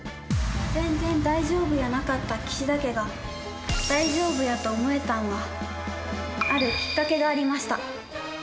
全然大丈夫やなかった岸田家が大丈夫やと思えたんはあるきっかけがありました。